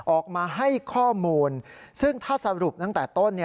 ออกมาให้ข้อมูลซึ่งถ้าสรุปตั้งแต่ต้น